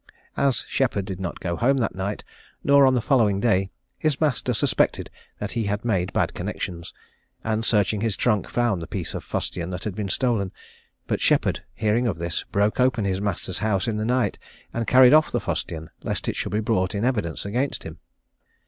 As Sheppard did not go home that night, nor on the following day, his master suspected that he had made bad connexions, and searching his trunk found the piece of fustian that had been stolen; but Sheppard, hearing of this, broke open his master's house in the night, and carried off the fustian, lest it should be brought in evidence against him.